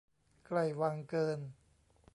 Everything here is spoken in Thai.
ใกล้วังเกิน